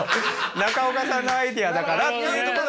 中岡さんのアイデアだからっていうところでやれば。